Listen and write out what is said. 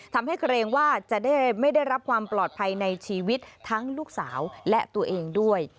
เกรงว่าจะไม่ได้รับความปลอดภัยในชีวิตทั้งลูกสาวและตัวเองด้วย